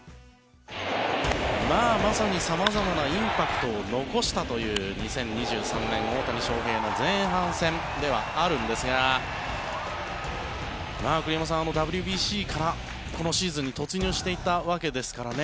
まさに様々なインパクトを残したという２０２３年、大谷翔平の前半戦ではあるんですが栗山さん、ＷＢＣからこのシーズンに突入していったわけですからね。